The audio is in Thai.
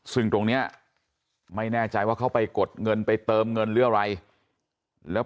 ซึ่งตรงนี้ไม่แน่ใจว่าเขาไปกดเงินไปเติมเงินหรืออะไรแล้ว